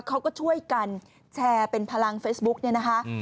เขาก็ช่วยกันแชร์เป็นพลังเฟซบุ๊กเนี่ยนะคะ